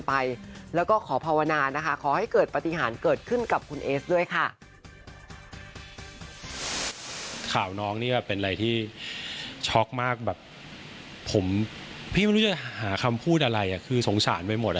เป็นอะไรที่ช็อกมากแบบพี่ไม่รู้จะหาคำพูดอะไรคือสงสารไปหมด